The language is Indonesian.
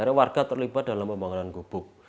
akhirnya warga terlibat dalam pembangunan gubuk